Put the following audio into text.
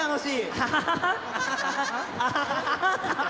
アハハハハ！